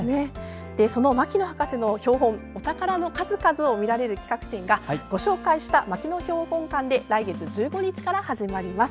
その牧野博士の標本お宝の数々を見られる企画展がご紹介した牧野標本館で来月１５日から始まります。